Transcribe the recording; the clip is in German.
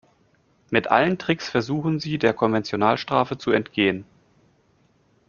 Mit allen Tricks versuchen sie, der Konventionalstrafe zu entgehen.